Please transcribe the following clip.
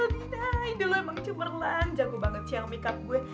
halo dina aduh gue berhasil dina indah lo emang cemerlang jago banget siang makeup gue